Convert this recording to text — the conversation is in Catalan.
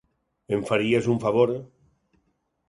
Em faries un favor?